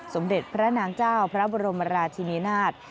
สมเด็จพระนางเจ้าพระบรมราชินินาศ